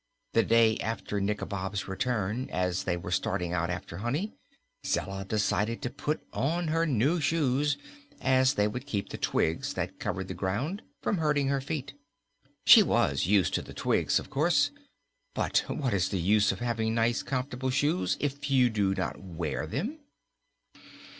The day after Nikobob's return, as they were starting out after honey, Zella decided to put on her new shoes, as they would keep the twigs that covered the ground from hurting her feet. She was used to the twigs, of course, but what is the use of having nice, comfortable shoes, if you do not wear them?